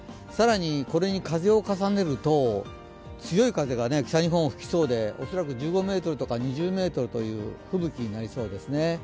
更にこれに風を重ねると強い風が北日本、吹きそうで恐らく１５ｍとか２０ｍという吹雪になりそうですね。